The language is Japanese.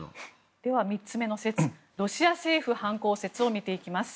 では、３つ目の説ロシア政府犯行説を見ていきます。